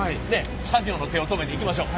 作業の手を止めていきましょう。